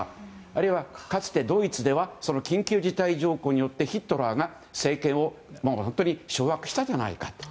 あるいは、かつてドイツでは緊急事態条項によってヒトラーが政権を掌握したじゃないかと。